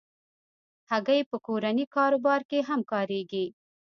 هګۍ په کورني کاروبار کې هم کارېږي.